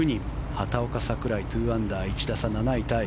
畑岡、櫻井、２アンダー１打差、７位タイ。